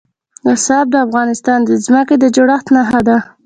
رسوب د افغانستان د ځمکې د جوړښت نښه ده.